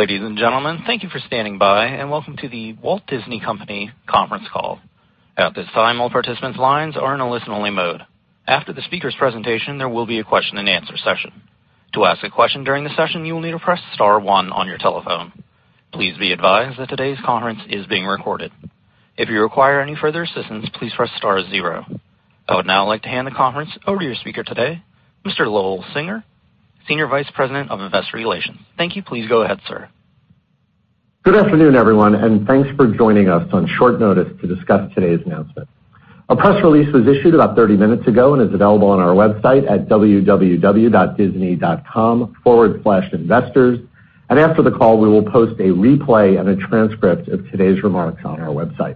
Ladies and gentlemen, thank you for standing by and welcome to The Walt Disney Company conference call. At this time, all participants' lines are in a listen-only mode. After the speaker's presentation, there will be a question and answer session. To ask a question during the session, you will need to press star one on your telephone. Please be advised that today's conference is being recorded. If you require any further assistance, please press star zero. I would now like to hand the conference over to your speaker today, Mr. Lowell Singer, Senior Vice President of Investor Relations. Thank you. Please go ahead, sir. Good afternoon, everyone, and thanks for joining us on short notice to discuss today's announcement. A press release was issued about 30 minutes ago and is available on our website at www.disney.com/investors. After the call, we will post a replay and a transcript of today's remarks on our website.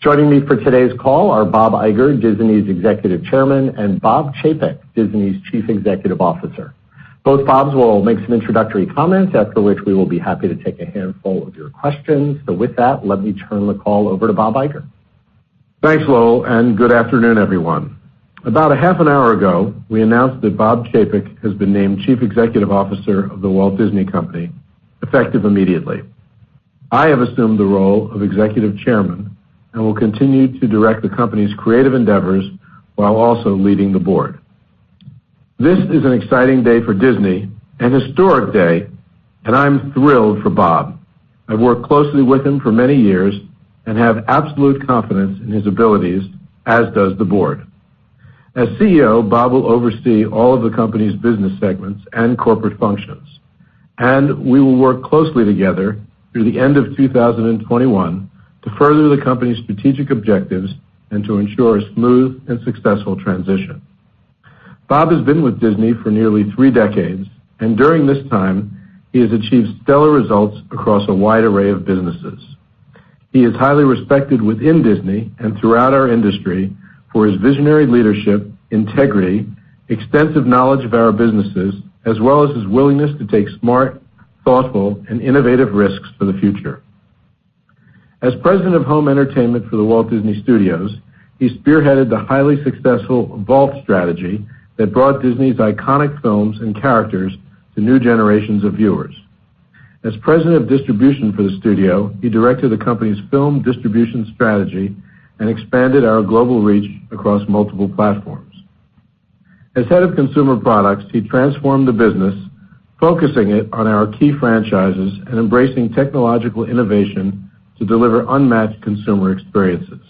Joining me for today's call are Bob Iger, Disney's Executive Chairman, and Bob Chapek, Disney's Chief Executive Officer. Both Bobs will make some introductory comments, after which we will be happy to take a handful of your questions. With that, let me turn the call over to Bob Iger. Thanks, Lowell, good afternoon, everyone. About a half an hour ago, we announced that Bob Chapek has been named Chief Executive Officer of The Walt Disney Company, effective immediately. I have assumed the role of Executive Chairman and will continue to direct the company's creative endeavors while also leading the board. This is an exciting day for Disney, an historic day, and I'm thrilled for Bob. I've worked closely with him for many years and have absolute confidence in his abilities, as does the board. As CEO, Bob will oversee all of the company's business segments and corporate functions, and we will work closely together through the end of 2021 to further the company's strategic objectives and to ensure a smooth and successful transition. Bob has been with Disney for nearly three decades, and during this time, he has achieved stellar results across a wide array of businesses. He is highly respected within Disney and throughout our industry for his visionary leadership, integrity, extensive knowledge of our businesses, as well as his willingness to take smart, thoughtful, and innovative risks for the future. As President of Home Entertainment for The Walt Disney Studios, he spearheaded the highly successful Vault strategy that brought Disney's iconic films and characters to new generations of viewers. As President of Distribution for the Studio, he directed the company's film distribution strategy and expanded our global reach across multiple platforms. As Head of Consumer Products, he transformed the business, focusing it on our key franchises and embracing technological innovation to deliver unmatched consumer experiences.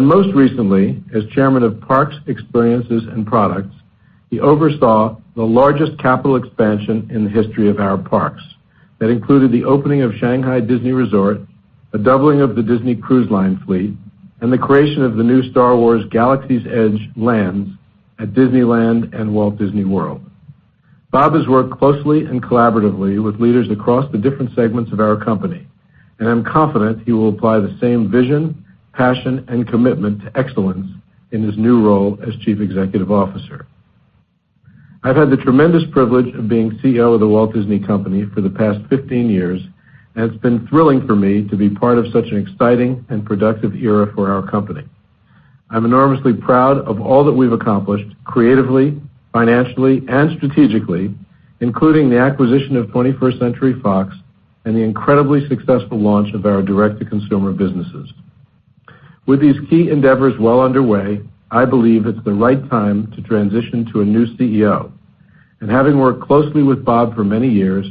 Most recently, as Chairman of Parks, Experiences and Products, he oversaw the largest capital expansion in the history of our parks. That included the opening of Shanghai Disney Resort, the doubling of the Disney Cruise Line fleet, and the creation of the new Star Wars: Galaxy's Edge lands at Disneyland and Walt Disney World. Bob has worked closely and collaboratively with leaders across the different segments of our company, and I'm confident he will apply the same vision, passion, and commitment to excellence in his new role as Chief Executive Officer. I've had the tremendous privilege of being CEO of The Walt Disney Company for the past 15 years, and it's been thrilling for me to be part of such an exciting and productive era for our company. I'm enormously proud of all that we've accomplished creatively, financially, and strategically, including the acquisition of 21st Century Fox and the incredibly successful launch of our direct-to-consumer businesses. With these key endeavors well underway, I believe it's the right time to transition to a new CEO. Having worked closely with Bob for many years,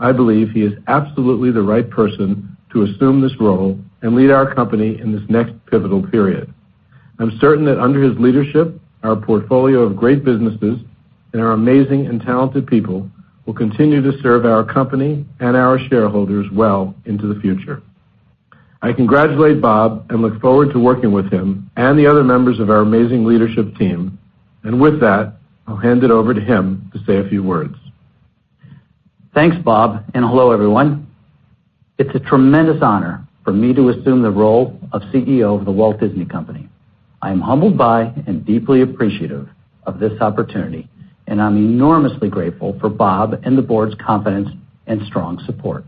I believe he is absolutely the right person to assume this role and lead our company in this next pivotal period. I'm certain that under his leadership, our portfolio of great businesses and our amazing and talented people will continue to serve our company and our shareholders well into the future. I congratulate Bob and look forward to working with him and the other members of our amazing leadership team. With that, I'll hand it over to him to say a few words. Thanks, Bob, and hello everyone. It's a tremendous honor for me to assume the role of CEO of The Walt Disney Company. I am humbled by and deeply appreciative of this opportunity, and I'm enormously grateful for Bob and the board's confidence and strong support.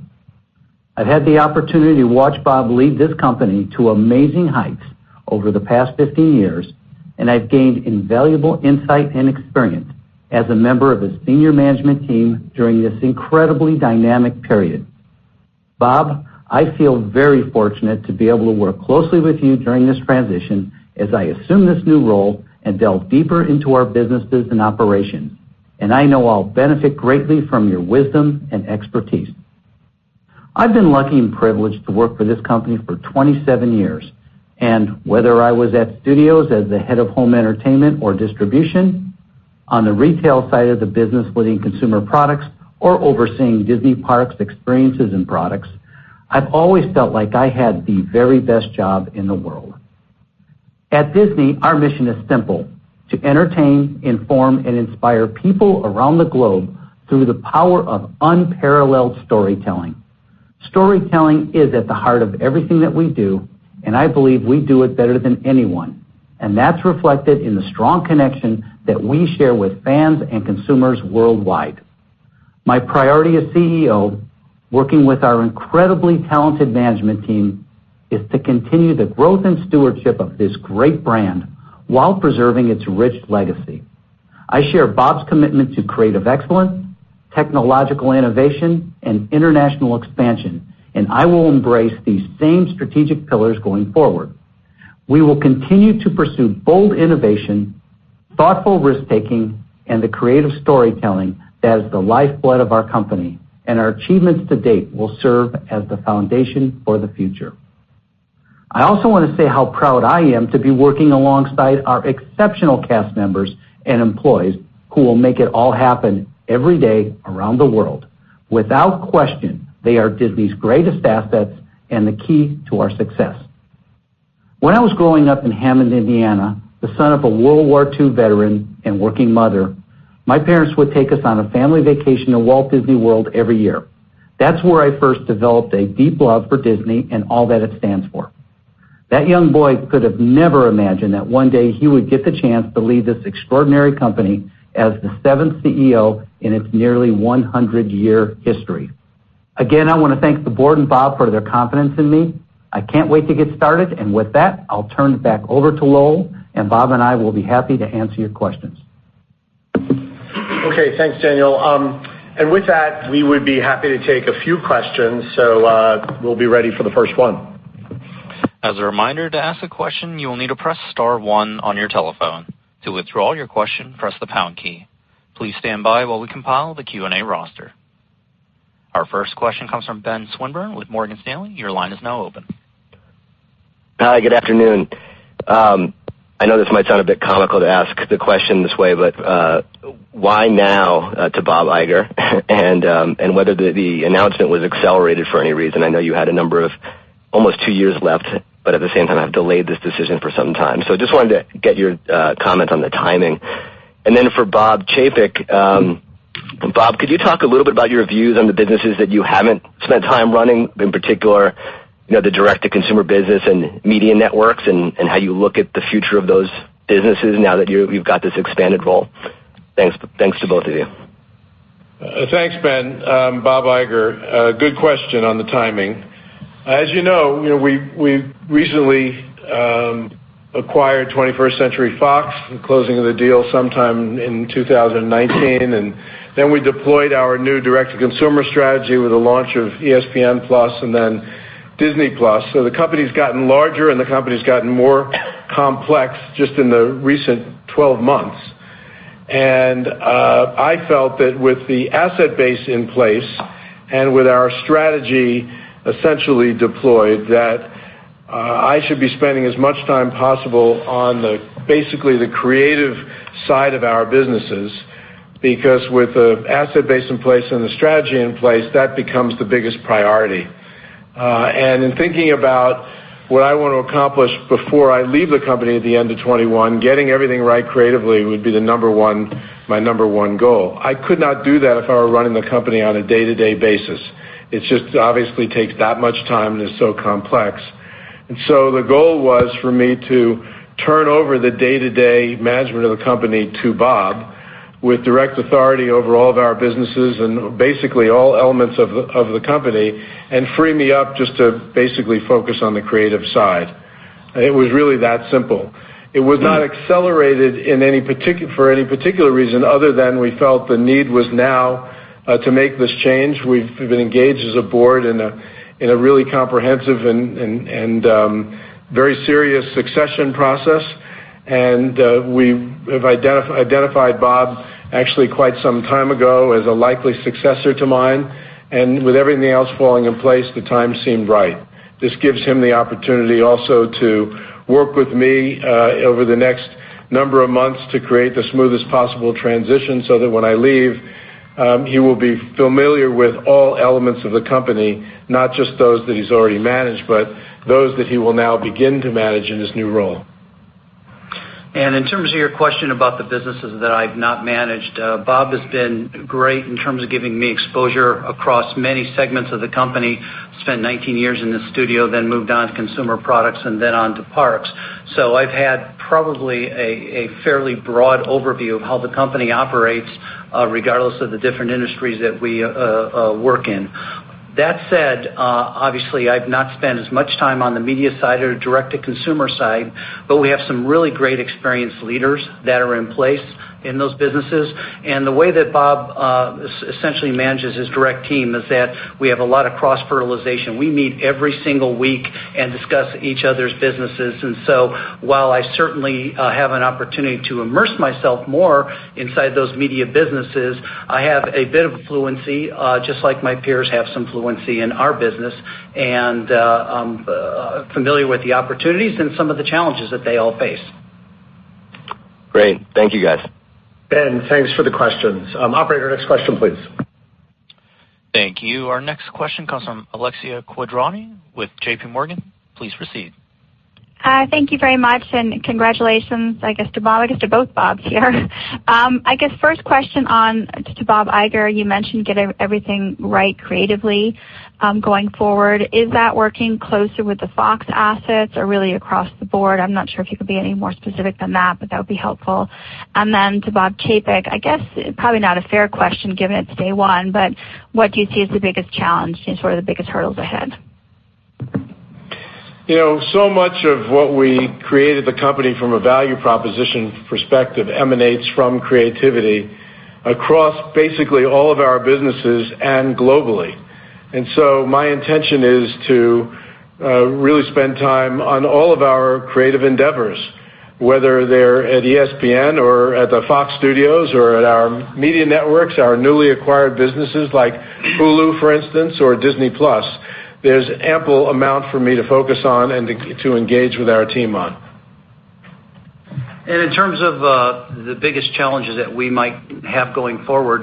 I've had the opportunity to watch Bob lead this company to amazing heights over the past 15 years, and I've gained invaluable insight and experience as a member of his senior management team during this incredibly dynamic period. Bob, I feel very fortunate to be able to work closely with you during this transition as I assume this new role and delve deeper into our businesses and operations, and I know I'll benefit greatly from your wisdom and expertise. I've been lucky and privileged to work for this company for 27 years, and whether I was at Studios as the Head of Home Entertainment or Distribution, on the retail side of the business leading Consumer Products or overseeing Disney Parks, Experiences and Products, I've always felt like I had the very best job in the world. At Disney, our mission is simple: to entertain, inform, and inspire people around the globe through the power of unparalleled storytelling. Storytelling is at the heart of everything that we do, and I believe we do it better than anyone, and that's reflected in the strong connection that we share with fans and consumers worldwide. My priority as CEO, working with our incredibly talented management team, is to continue the growth and stewardship of this great brand while preserving its rich legacy. I share Bob's commitment to creative excellence, technological innovation, and international expansion, I will embrace these same strategic pillars going forward. We will continue to pursue bold innovation, thoughtful risk-taking, and the creative storytelling that is the lifeblood of our company, our achievements to date will serve as the foundation for the future. I also want to say how proud I am to be working alongside our exceptional cast members and employees who will make it all happen every day around the world. Without question, they are Disney's greatest assets and the key to our success. When I was growing up in Hammond, Indiana, the son of a World War II veteran and working mother, my parents would take us on a family vacation to Walt Disney World every year. That's where I first developed a deep love for Disney and all that it stands for. That young boy could have never imagined that one day he would get the chance to lead this extraordinary company as the seventh CEO in its nearly 100-year history. Again, I want to thank the board and Bob for their confidence in me. I can't wait to get started, and with that, I'll turn it back over to Lowell, and Bob and I will be happy to answer your questions. Okay. Thanks, Daniel. With that, we would be happy to take a few questions. We'll be ready for the first one. As a reminder, to ask a question, you will need to press star one on your telephone. To withdraw your question, press the pound key. Please stand by while we compile the Q&A roster. Our first question comes from Ben Swinburne with Morgan Stanley. Your line is now open. Hi, good afternoon. Why now to Bob Iger? Whether the announcement was accelerated for any reason. I know you had a number of almost two years left, at the same time have delayed this decision for some time. I just wanted to get your comment on the timing. For Bob Chapek. Bob, could you talk a little bit about your views on the businesses that you haven't spent time running, in particular, the direct-to-consumer business and media networks, and how you look at the future of those businesses now that you've got this expanded role? Thanks to both of you. Thanks, Ben. Bob Iger. Good question on the timing. As you know, we recently acquired 21st Century Fox in closing of the deal sometime in 2019, we deployed our new direct-to-consumer strategy with the launch of ESPN+ and then Disney+. The company's gotten larger and the company's gotten more complex just in the recent 12 months. I felt that with the asset base in place and with our strategy essentially deployed, that I should be spending as much time possible on basically the creative side of our businesses, because with the asset base in place and the strategy in place, that becomes the biggest priority. In thinking about what I want to accomplish before I leave the company at the end of 2021, getting everything right creatively would be my number one goal. I could not do that if I were running the company on a day-to-day basis. It just obviously takes that much time and is so complex. The goal was for me to turn over the day-to-day management of the company to Bob with direct authority over all of our businesses and basically all elements of the company, and free me up just to basically focus on the creative side. It was really that simple. It was not accelerated for any particular reason other than we felt the need was now to make this change. We've been engaged as a board in a really comprehensive and very serious succession process, and we have identified Bob actually quite some time ago as a likely successor to mine. With everything else falling in place, the time seemed right. This gives him the opportunity also to work with me over the next number of months to create the smoothest possible transition so that when I leave, he will be familiar with all elements of the company, not just those that he's already managed, but those that he will now begin to manage in his new role. In terms of your question about the businesses that I've not managed, Bob has been great in terms of giving me exposure across many segments of the company. Spent 19 years in the studio, then moved on to consumer products and then on to parks. I've had probably a fairly broad overview of how the company operates, regardless of the different industries that we work in. That said, obviously, I've not spent as much time on the media side or direct-to-consumer side, but we have some really great, experienced leaders that are in place in those businesses. The way that Bob essentially manages his direct team is that we have a lot of cross-fertilization. We meet every single week and discuss each other's businesses. While I certainly have an opportunity to immerse myself more inside those media businesses, I have a bit of fluency, just like my peers have some fluency in our business, and I'm familiar with the opportunities and some of the challenges that they all face. Great. Thank you, guys. Ben, thanks for the questions. Operator, next question, please. Thank you. Our next question comes from Alexia Quadrani with JPMorgan. Please proceed. Hi, thank you very much. Congratulations, I guess, to Bob, I guess, to both Bobs here. I guess first question on to Bob Iger. You mentioned getting everything right creatively going forward. Is that working closer with the Fox assets or really across the board? I'm not sure if you could be any more specific than that, but that would be helpful. Then to Bob Chapek, I guess probably not a fair question given it's day one, but what do you see as the biggest challenge and sort of the biggest hurdles ahead? Much of what we created the company from a value proposition perspective emanates from creativity across basically all of our businesses and globally. My intention is to really spend time on all of our creative endeavors, whether they're at ESPN or at the Fox Studios or at our media networks, our newly acquired businesses like Hulu, for instance, or Disney+. There's ample amount for me to focus on and to engage with our team on. In terms of the biggest challenges that we might have going forward,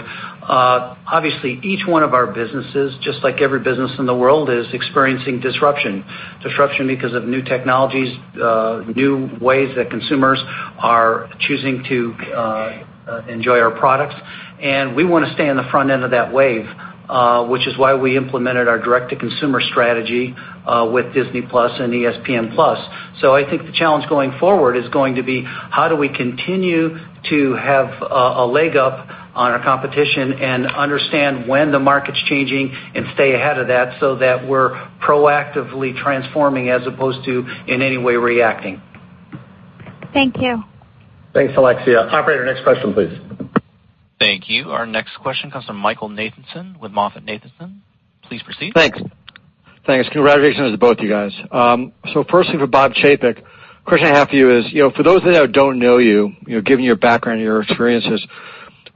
obviously each one of our businesses, just like every business in the world, is experiencing disruption. Disruption because of new technologies, new ways that consumers are choosing to enjoy our products. We want to stay on the front end of that wave, which is why we implemented our direct-to-consumer strategy with Disney+ and ESPN+. I think the challenge going forward is going to be how do we continue to have a leg up on our competition and understand when the market's changing and stay ahead of that so that we're proactively transforming as opposed to, in any way, reacting. Thank you. Thanks, Alexia. Operator, next question, please. Thank you. Our next question comes from Michael Nathanson with MoffettNathanson. Please proceed. Thanks. Congratulations to both you guys. Firstly, for Bob Chapek, the question I have for you is, for those that don't know you, given your background and your experiences,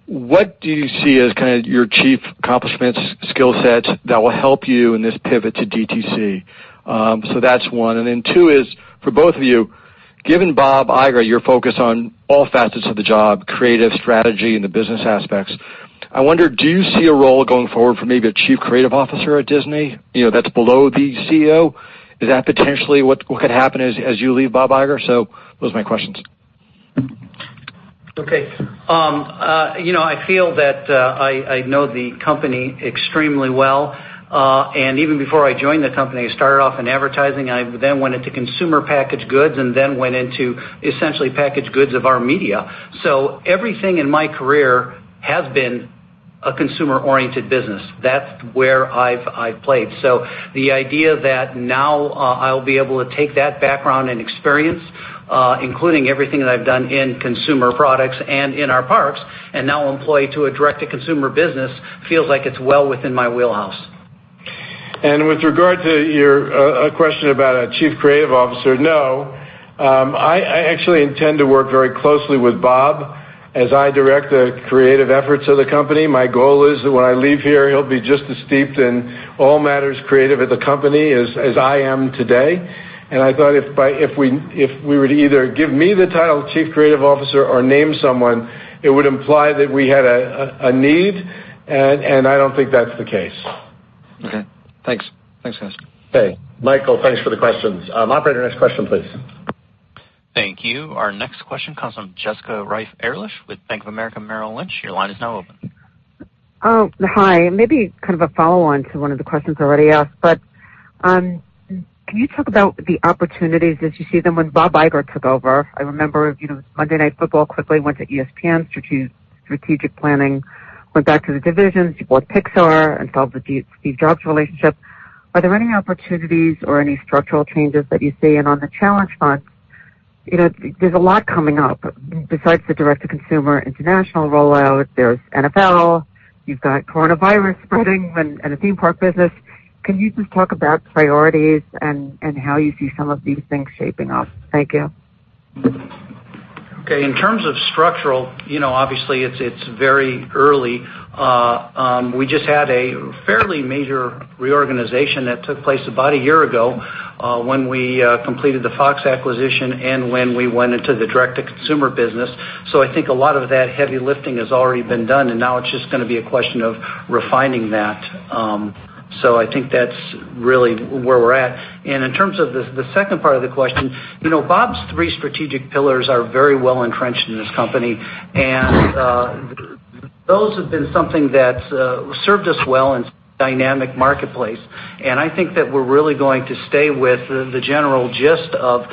what do you see as kind of your chief accomplishments, skill sets that will help you in this pivot to DTC? That's one. Then two is for both of you, given Bob Iger, your focus on all facets of the job, creative strategy, and the business aspects, I wonder, do you see a role going forward for maybe a Chief Creative Officer at Disney that's below the CEO? Is that potentially what could happen as you leave Bob Iger? Those are my questions. Okay. I feel that I know the company extremely well. Even before I joined the company, I started off in advertising. I then went into consumer packaged goods and then went into essentially packaged goods of our media. Everything in my career has been a consumer-oriented business. That's where I've played. The idea that now I'll be able to take that background and experience, including everything that I've done in consumer products and in our parks, and now employ to a direct-to-consumer business feels like it's well within my wheelhouse. With regard to your question about a Chief Creative Officer, no. I actually intend to work very closely with Bob as I direct the creative efforts of the company. My goal is that when I leave here, he'll be just as steeped in all matters creative at the company as I am today. I thought if we were to either give me the title of Chief Creative Officer or name someone, it would imply that we had a need, and I don't think that's the case. Okay. Thanks. Okay. Michael, thanks for the questions. Operator, next question, please. Thank you. Our next question comes from Jessica Reif Ehrlich with Bank of America Merrill Lynch. Your line is now open. Hi. Maybe kind of a follow-on to one of the questions already asked, can you talk about the opportunities as you see them when Bob Iger took over? I remember, Monday Night Football quickly went to ESPN strategic planning, went back to the divisions. You bought Pixar and solved the Steve Jobs relationship. Are there any opportunities or any structural changes that you see? On the challenge front, there's a lot coming up besides the direct-to-consumer international rollout. There's NFL. You've got coronavirus spreading and the theme park business. Can you just talk about priorities and how you see some of these things shaping up? Thank you. Okay. In terms of structural, obviously it's very early. We just had a fairly major reorganization that took place about a year ago when we completed the Fox acquisition and when we went into the direct-to-consumer business. I think a lot of that heavy lifting has already been done, and now it's just going to be a question of refining that. I think that's really where we're at. In terms of the second part of the question, Bob's three strategic pillars are very well entrenched in this company, and those have been something that's served us well in dynamic marketplace. I think that we're really going to stay with the general gist of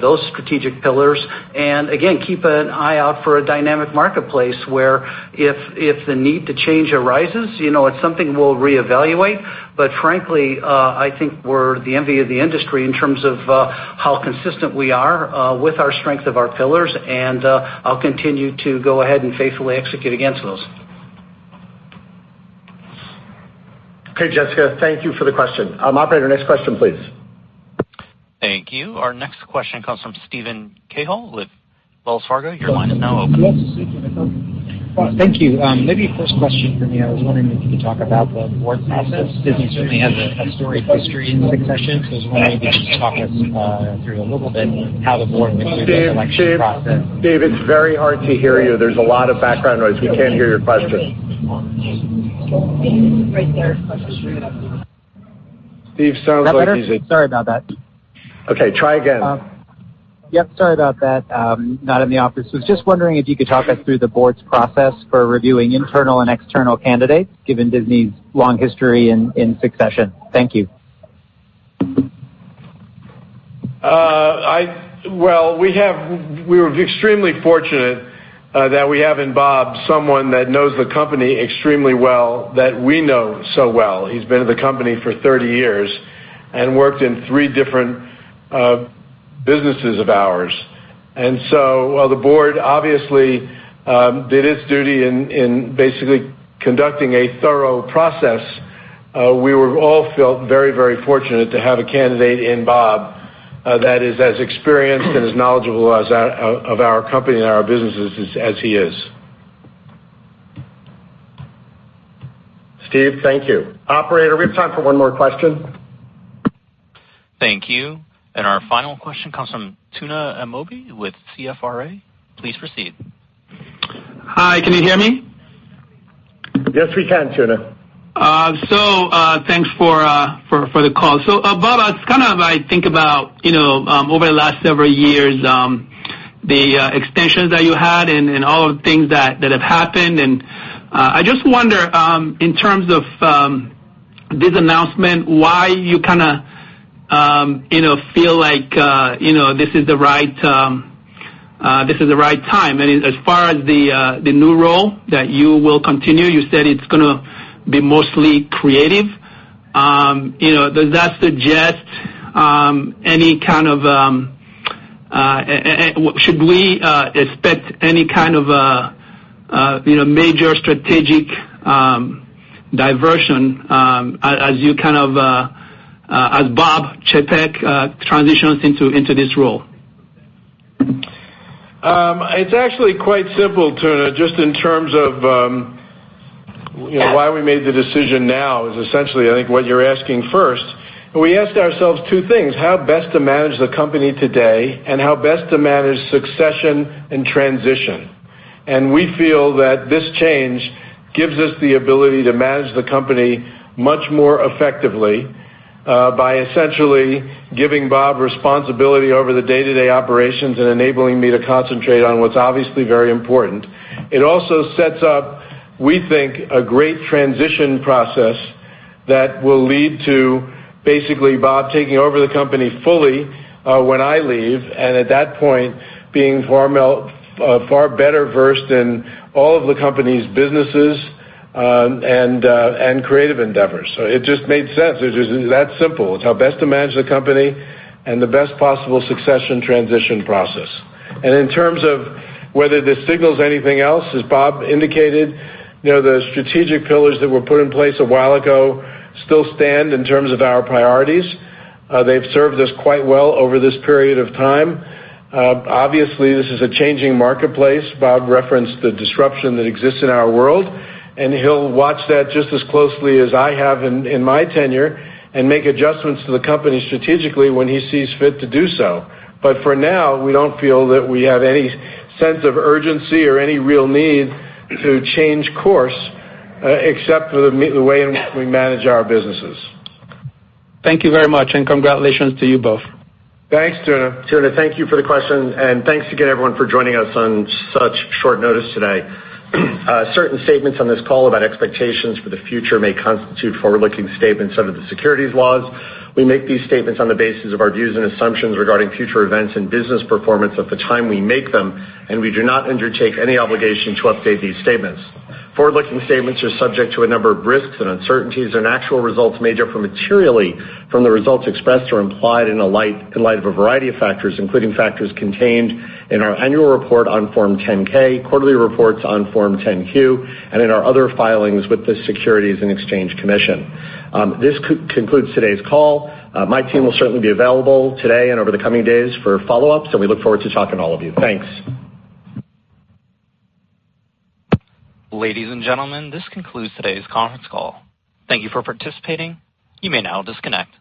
those strategic pillars and again, keep an eye out for a dynamic marketplace where if the need to change arises, it's something we'll reevaluate. Frankly, I think we're the envy of the industry in terms of how consistent we are with our strength of our pillars, and I'll continue to go ahead and faithfully execute against those. Okay, Jessica. Thank you for the question. Operator, next question, please. Thank you. Our next question comes from Steven Cahall with Wells Fargo. Your line is now open. Thank you. Maybe first question for me, I was wondering if you could talk about the board process. Disney certainly has a storied history in succession. I was wondering if you could just talk us through a little bit how the board went through the selection process. Steve, it's very hard to hear you. There's a lot of background noise. We can't hear your question. Okay. Steve, sounds like. That better? Sorry about that. Okay. Try again. Yep, sorry about that. Not in the office. Was just wondering if you could talk us through the board's process for reviewing internal and external candidates, given Disney's long history in succession? Thank you. Well, we were extremely fortunate that we have in Bob someone that knows the company extremely well, that we know so well. He's been at the company for 30 years and worked in three different businesses of ours. While the board obviously did its duty in basically conducting a thorough process, we all felt very, very fortunate to have a candidate in Bob that is as experienced and as knowledgeable of our company and our businesses as he is. Steve, thank you. Operator, we have time for one more question. Thank you. Our final question comes from Tuna Amobi with CFRA. Please proceed. Hi. Can you hear me? Yes, we can, Tuna. Thanks for the call. Bob, as I think about over the last several years, the extensions that you had and all of the things that have happened. I just wonder, in terms of this announcement, why you feel like this is the right time? As far as the new role that you will continue, you said it's going to be mostly creative. Should we expect any kind of major strategic diversion as Bob Chapek transitions into this role? It's actually quite simple, Tuna, just in terms of why we made the decision now is essentially, I think, what you're asking first. We asked ourselves two things, how best to manage the company today, and how best to manage succession and transition. We feel that this change gives us the ability to manage the company much more effectively by essentially giving Bob responsibility over the day-to-day operations and enabling me to concentrate on what's obviously very important. It also sets up, we think, a great transition process that will lead to basically Bob taking over the company fully when I leave, and at that point, being far better versed in all of the company's businesses and creative endeavors. It just made sense. It's that simple. It's how best to manage the company and the best possible succession transition process. In terms of whether this signals anything else, as Bob indicated, the strategic pillars that were put in place a while ago still stand in terms of our priorities. They've served us quite well over this period of time. Obviously, this is a changing marketplace. Bob referenced the disruption that exists in our world, and he'll watch that just as closely as I have in my tenure and make adjustments to the company strategically when he sees fit to do so. For now, we don't feel that we have any sense of urgency or any real need to change course except for the way in which we manage our businesses. Thank you very much, and congratulations to you both. Thanks, Tuna. Tuna, thank you for the question, and thanks again, everyone, for joining us on such short notice today. Certain statements on this call about expectations for the future may constitute forward-looking statements under the securities laws. We make these statements on the basis of our views and assumptions regarding future events and business performance at the time we make them, and we do not undertake any obligation to update these statements. Forward-looking statements are subject to a number of risks and uncertainties, and actual results may differ materially from the results expressed or implied in light of a variety of factors, including factors contained in our annual report on Form 10-K, quarterly reports on Form 10-Q, and in our other filings with the Securities and Exchange Commission. This concludes today's call. My team will certainly be available today and over the coming days for follow-ups, and we look forward to talking to all of you. Thanks. Ladies and gentlemen, this concludes today's conference call. Thank you for participating. You may now disconnect.